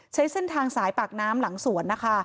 ใช้เส้นทางสายปากน้ำหลังสวนนะคะ